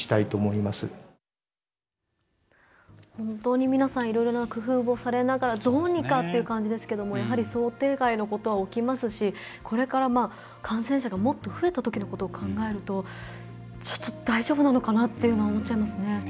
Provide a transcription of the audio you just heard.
本当に皆さんいろいろな工夫をされながらどうにかっていう感じですけどもやはり想定外のことは起きますしこれから感染者がもっと増えたときのことを考えるとちょっと大丈夫なのかなっていうのは思っちゃいますね。